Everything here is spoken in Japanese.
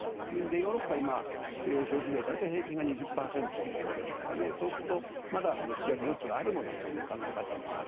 ヨーロッパは今、消費税が大体平均が２０％ですからそうするとまだ引き上げ余地はあるのだという考え方もある。